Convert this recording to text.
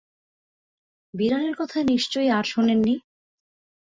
বিড়ালের কথা নিশ্চয়ই আর শোনেন নি?